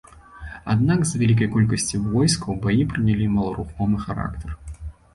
Аднак з-за вялікай колькасці войскаў баі прынялі маларухомы характар.